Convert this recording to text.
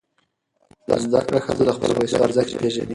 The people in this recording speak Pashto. زده کړه ښځه د خپلو پیسو ارزښت پېژني.